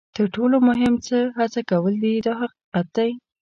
تر ټولو مهم څه هڅه کول دي دا حقیقت دی.